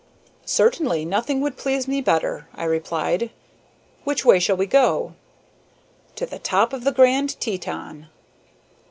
"Certainly; nothing could please me better," I replied. "Which way shall we go?" "To the top of the Grand Teton."